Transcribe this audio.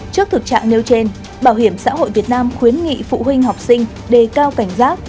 trước thực trạng nêu trên bảo hiểm xã hội việt nam khuyến nghị phụ huynh học sinh đề cao cảnh giác